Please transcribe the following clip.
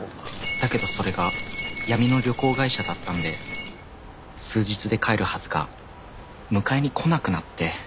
だけどそれが闇の旅行会社だったんで数日で帰るはずが迎えにこなくなって。